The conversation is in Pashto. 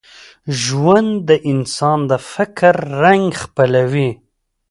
ژوند د انسان د فکر رنګ خپلوي.